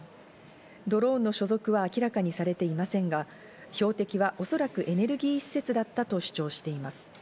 ドローンの所属は明らかにされていませんが、標的はおそらくエネルギー施設だったと主張しています。